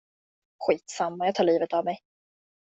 Skitsamma, jag tar livet av mig.